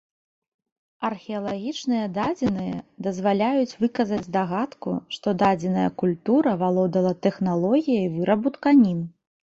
Археалагічныя дадзеныя дазваляюць выказаць здагадку, што дадзеная культура валодала тэхналогіяй вырабу тканін.